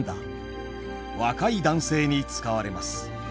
若い男性に使われます。